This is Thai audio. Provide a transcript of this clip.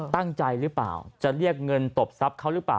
ตั้งใจหรือเปล่าจะเรียกเงินตบทรัพย์เขาหรือเปล่า